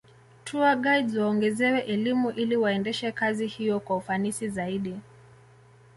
Tourguides waongezewe elimu ili waendeshe kazi hiyo kwa ufanisi zaidi